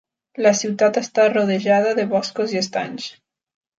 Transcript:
La ciutat està rodejada de boscos i estanys.